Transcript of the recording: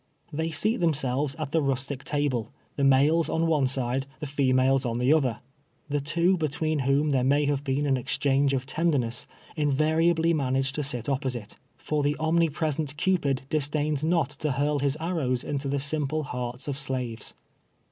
They seat themselves at the rustic table — the males on one side, the females on the other. The two be tween whom there may have been an exchange of tenderness, invariably manage to sit opposite ; for the omnipresent Cupid disdains not to hurl his arrows into the simple hearts of slaves.